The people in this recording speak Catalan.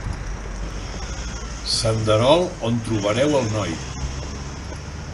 Senderol on trobareu el noi.